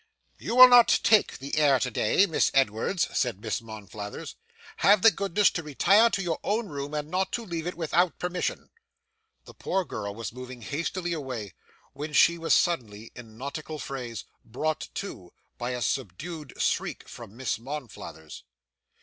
'You will not take the air to day, Miss Edwards,' said Miss Monflathers. 'Have the goodness to retire to your own room, and not to leave it without permission.' The poor girl was moving hastily away, when she was suddenly, in nautical phrase, 'brought to' by a subdued shriek from Miss Monflathers.